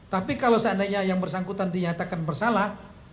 tapi kalau seandainya yang bersangkutan dinyatakan bersalah